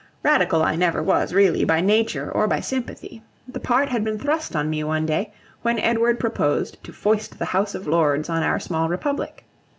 Radical I never was, really, by nature or by sympathy. The part had been thrust on me one day, when Edward proposed to foist the House of Lords on our small Republic.